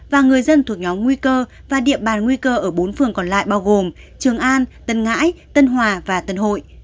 và người dân thuộc nhóm nguy cơ và địa bàn nguy cơ ở bốn phường còn lại bao gồm trường an tân ngãi tân hòa và tân hội